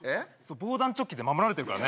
防弾チョッキで守られてるからね